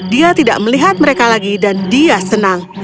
dia tidak melihat mereka lagi dan dia senang